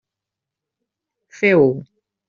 Feu-ho.